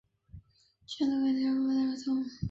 其源头可能来自加利福尼亚州文图拉县的葱。